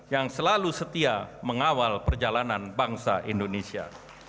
yang selalu setia mengawal perjalanan bangsa indonesia